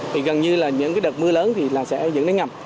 thì gần như là những đợt mưa lớn thì sẽ dẫn đến ngập